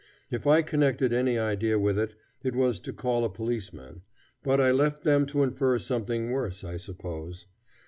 If I connected any idea with it, it was to call a policeman; but I left them to infer something worse, I suppose.